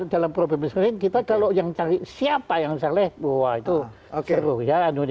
dalam problem kita kalau yang cari siapa yang salah wah itu seru ya